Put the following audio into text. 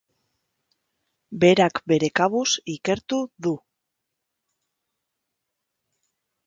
Berak bere kabuz ikertu du.